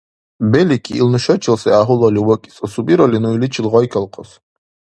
Белики, ил нушачил сай гӀяхӀулали вакӀес! Асубиралли, ну иличил гъайкалхъас.